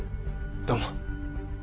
どうも。